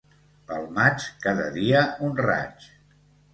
Pel maig, cada dia un raig!